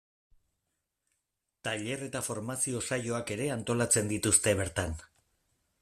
Tailer eta formazio saioak ere antolatzen dituzte bertan.